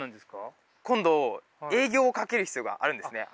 今度営業をかける必要があるんですね。